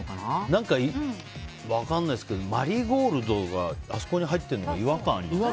何か、分かんないですけどマリーゴールドがあそこに入ってるのが違和感あります。